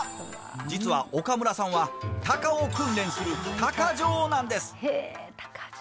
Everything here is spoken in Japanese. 実は岡村さんはたかを訓練するたか匠なんです。